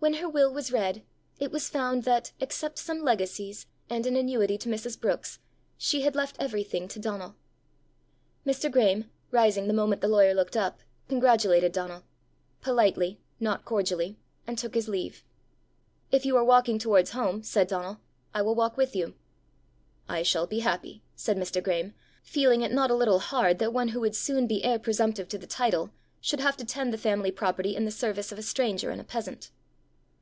When her will was read, it was found that, except some legacies, and an annuity to Mrs. Brookes, she had left everything to Donal. Mr. Graeme, rising the moment the lawyer looked up, congratulated Donal politely, not cordially, and took his leave. "If you are walking towards home," said Donal, "I will walk with you." "I shall be happy," said Mr. Graeme feeling it not a little hard that one who would soon be heir presumptive to the title should have to tend the family property in the service of a stranger and a peasant.